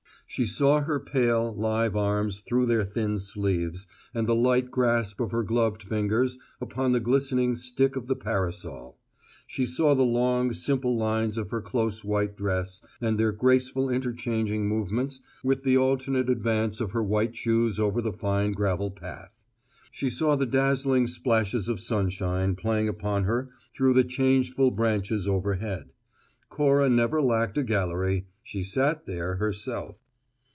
She saw her pale, live arms through their thin sleeves, and the light grasp of her gloved fingers upon the glistening stick of the parasol; she saw the long, simple lines of her close white dress and their graceful interchanging movements with the alternate advance of her white shoes over the fine gravel path; she saw the dazzling splashes of sunshine playing upon her through the changeful branches overhead. Cora never lacked a gallery: she sat there herself.